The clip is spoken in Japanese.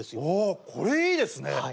おおこれいいですね。